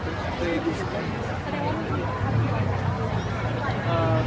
พร้อมหรืออย่างตัว